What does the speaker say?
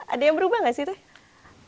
ada yang berubah gak sih tuh